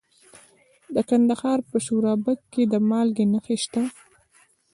د کندهار په شورابک کې د مالګې نښې شته.